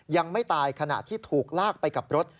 ยังไม่ตายขณะที่ถูกลากไปกับรถ